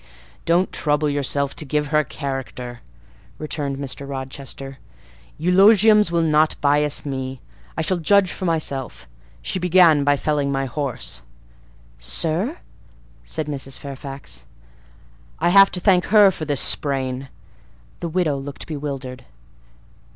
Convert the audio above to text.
"Don't trouble yourself to give her a character," returned Mr. Rochester: "eulogiums will not bias me; I shall judge for myself. She began by felling my horse." "Sir?" said Mrs. Fairfax. "I have to thank her for this sprain." The widow looked bewildered.